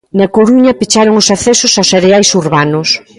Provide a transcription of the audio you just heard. Na Coruña, pecharon os accesos aos areais urbanos.